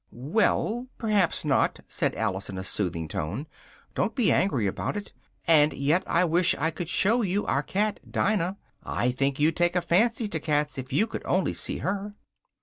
"Well, perhaps not," said Alice in a soothing tone, "don't be angry about it. And yet I wish I could show you our cat Dinah: I think you'd take a fancy to cats if you could only see her.